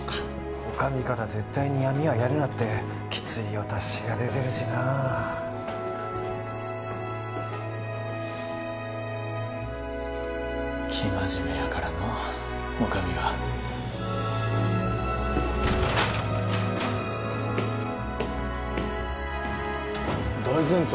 お上から絶対に闇はやるなってきついお達しが出てるしな生真面目やからのお上は大膳頭